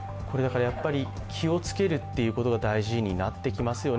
気をつけるということが大事になってきますよね。